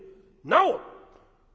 『なお』